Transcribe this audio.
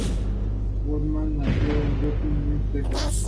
Fue construido por Stephens Brothers Inc.